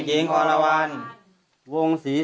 ข้าพเจ้านางสาวสุภัณฑ์หลาโภ